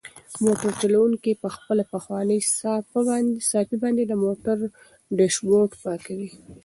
موټر چلونکی په خپله پخوانۍ صافه باندې د موټر ډشبورډ پاکوي.